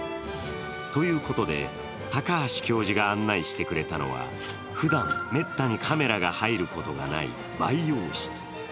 ということで高橋教授が案内してくれたのはふだんめったにカメラが入ることがない培養室。